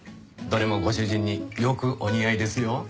どれもご主人によくお似合いですよ。